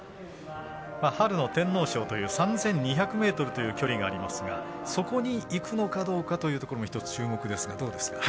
春の天皇賞という３２００ｍという距離がありますがそこにいくのかどうかも一つ、注目ですがどうですか？